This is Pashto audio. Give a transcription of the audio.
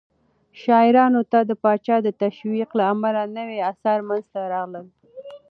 شاعرانو ته د پاچا د تشويق له امله نوي آثار منځته راغلل.